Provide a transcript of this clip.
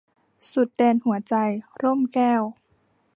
สุดแดนหัวใจ - ร่มแก้ว